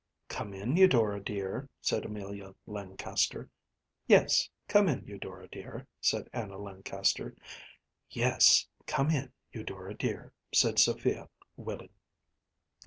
“Come in, Eudora dear,‚ÄĚ said Amelia Lancaster. “Yes, come in, Eudora dear,‚ÄĚ said Anna Lancaster. “Yes, come in, Eudora dear,‚ÄĚ said Sophia Willing.